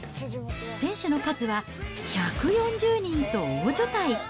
選手の数は１４０人と大所帯。